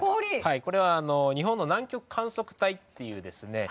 これはあの日本の南極観測隊っていうですね